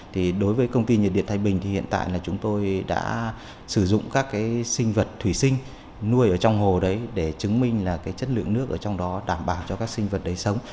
thì đối với công ty nhiệt điện thái bình thì hiện tại là chúng tôi đã sử dụng các cái sinh vật thủy sinh nuôi ở trong hồ đấy để chứng minh là cái chất lượng nước ở trong đó đảm bảo cho các sinh vật đời sống